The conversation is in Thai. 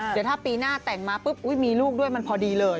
เดี๋ยวถ้าปีหน้าแต่งมาปุ๊บอุ๊ยมีลูกด้วยมันพอดีเลย